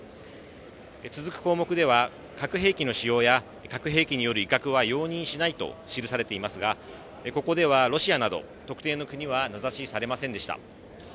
続く項目では、核兵器の使用や核兵器による威嚇は容認しないと記されていますが、ここではロシアなど特定の国は名指しされませんでした。